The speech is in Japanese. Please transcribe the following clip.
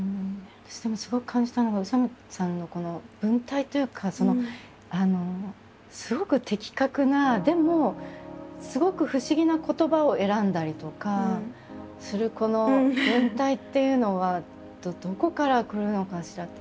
私でもすごく感じたのは宇佐見さんのこの文体というかすごく的確なでもすごく不思議な言葉を選んだりとかするこの文体っていうのはどこからくるのかしら？